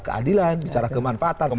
keadilan bicara kemanfaatan